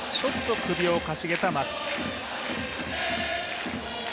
ちょっと首をかしげた牧。